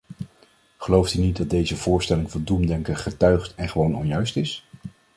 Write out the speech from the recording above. Gelooft u niet dat deze voorstelling van doemdenken getuigt en gewoon onjuist is?